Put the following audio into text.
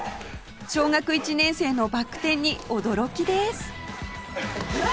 小学１年生のバク転に驚きです